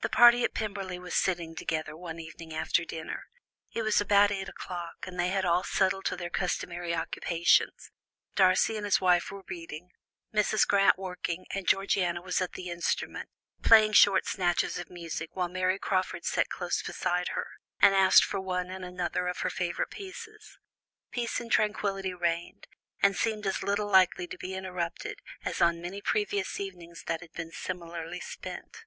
The party at Pemberley were sitting together one evening after dinner. It was about eight o'clock, and they had all settled to their customary occupations; Darcy and his wife were reading, Mrs. Grant working and Georgiana was at the instrument, playing short snatches of music while Mary Crawford sat close beside her, and asked for one and another of her favourite pieces. Peace and tranquility reigned, and seemed as little likely to be interrupted as on many previous evenings that had been similarly spent.